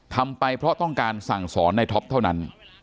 ทำไปเพราะต้องการสั่งสอนในท็อปเท่านั้น